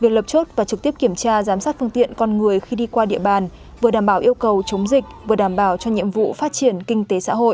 việc lập chốt và trực tiếp kiểm tra giám sát phương tiện con người khi đi qua địa bàn vừa đảm bảo yêu cầu chống dịch vừa đảm bảo cho nhiệm vụ phát triển kinh tế xã hội